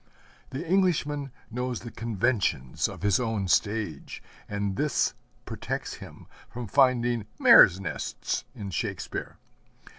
The Englishman knows the conventions of his own stage, and this protects him from finding mares' nests in Shakespeare.